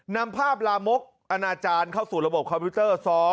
นำภาพลามกอนาจารย์เข้าสู่ระบบคอมพิวเตอร์๒